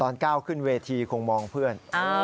ตอนก้าวขึ้นเวทีคงมองเพื่อน